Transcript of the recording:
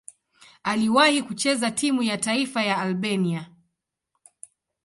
Aliwahi kucheza timu ya taifa ya Albania.